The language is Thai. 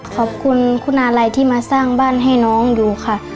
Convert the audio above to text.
ขอบคุณคุณอาลัยที่มาสร้างบ้านให้น้องอยู่ค่ะ